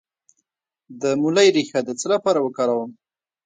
د مولی ریښه د څه لپاره وکاروم؟